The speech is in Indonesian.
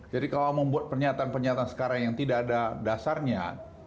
jadi kalau membuat pernyataan pernyataan sekarang yang tidak ada dasarnya